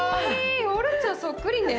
オルちゃんそっくりね。